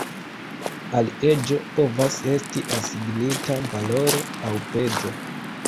Al eĝo povas esti asignita valoro aŭ pezo.